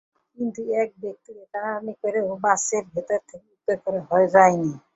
কিন্তু এক ব্যক্তিকে টানাটানি করেও বাসের ভেতর থেকে উদ্ধার করা যায়নি।